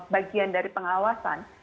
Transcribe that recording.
bagian dari pengawasan